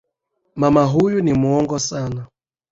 Mama huyu ni muongo sana